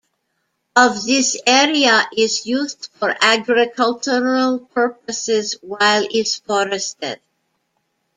Of this area, is used for agricultural purposes, while is forested.